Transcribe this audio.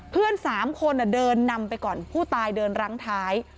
เพื่อน๓คนเดินนำไปก่อนผู้ตายเดินรั้งท้าย